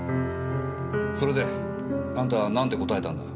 それであんたは何て答えたんだ？